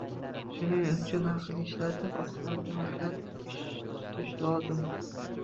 Shuning uchun aqlni ishlatib, oqibatni o‘ylab ish tutish lozim.